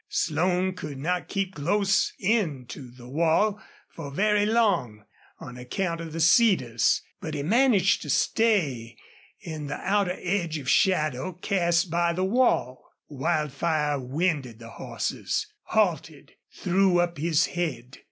Slone could not keep close in to the wall for very long, on account of the cedars, but he managed to stay in the outer edge of shadow cast by the wall. Wildfire winded the horses, halted, threw up his head.